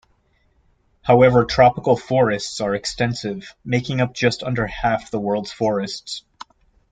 However Tropical Forests are extensive, making up just under half the world's forests.